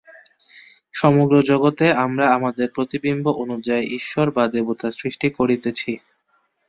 সমগ্র জগতে আমরা আমাদের প্রতিবিম্ব অনুযায়ী ঈশ্বর বা দেবতা সৃষ্টি করিতেছি।